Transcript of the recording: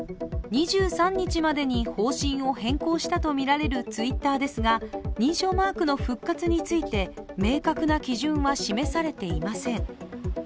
２３日までに方針を変更したとみられるＴｗｉｔｔｅｒですが認証マークの復活について、明確な基準は示されていません。